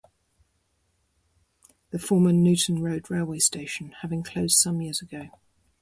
The former Newton Road railway station having closed some years ago.